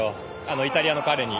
イタリアの彼に。